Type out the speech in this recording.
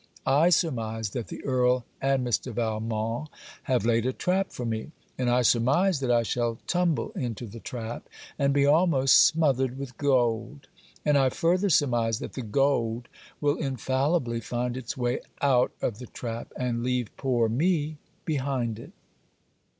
I surmise that the Earl and Mr. Valmont have laid a trap for me: and I surmise that I shall tumble into the trap, and be almost smothered with gold: and I further surmise that the gold will infallibly find its way out of the trap, and leave poor me behind it.